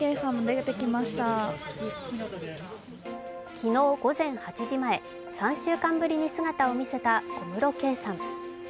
昨日午前８時前、３週間ぶりに姿を見せた小室圭さん。